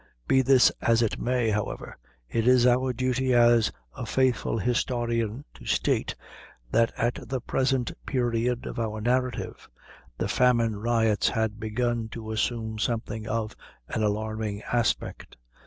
Be this as it may, however, it is our duty as a faithful historian to state, that at the present period of our narrative, the famine riots had begun to assume something of an alarming aspect.